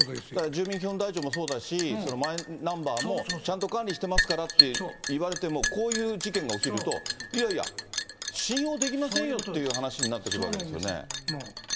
住民基本台帳もそうだし、マイナンバーもちゃんと管理してますからって言われても、こういう事件が起きると、いやいや、信用できませんよっていう話になってくるわけですよね。